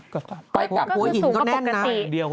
ก็คือสูงกว่าปกติ